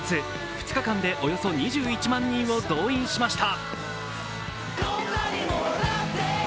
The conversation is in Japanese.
２日間でおよそ２１万人を動員しました。